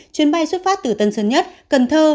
chuyến bay xuất phát từ tân sơn nhất cần thơ